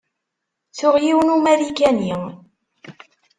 Tuɣ yiwen n Umarikani.